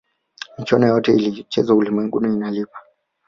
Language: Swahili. michuano yote inayochezwa ulimwenguni inalipa